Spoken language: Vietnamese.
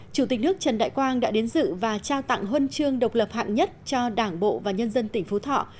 chủ tịch nước trần đại quang đã đến dự và trao tặng huân chương độc lập hạng nhất cho đảng bộ và nhân dân tỉnh phú thọ